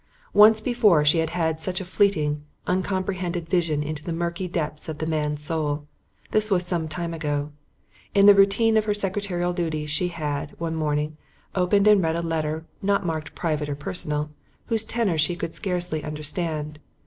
Once before she had had such a fleeting, uncomprehended vision into the murky depths of the man's soul. This was some time ago. In the routine of her secretarial duties she had, one morning, opened and read a letter, not marked "Private" or "Personal," whose tenor she could scarcely understand.